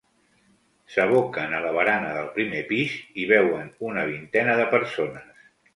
S'aboquen a la barana del primer pis i hi veuen una vintena de persones.